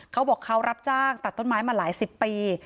เขาบอกเขารับจ้างตัดต้นไม้มาหลายสิบปี